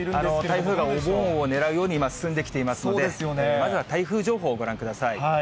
台風がお盆を狙うように進んできていますので、まずは台風情報をご覧ください。